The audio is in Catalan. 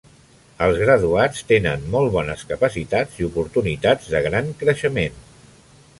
Els graduats tenen molt bones capacitats i oportunitats de gran creixement.